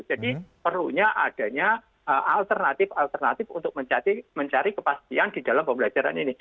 jadi perlunya adanya alternatif alternatif untuk mencari kepastian di dalam pembelajaran ini